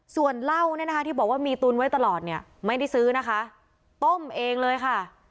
ส่วนเหล้าเนี่ยนะคะที่บอกว่ามีตุนไว้ตลอดเนี่ยไม่ได้ซื้อนะคะต้มเองเลยค่ะ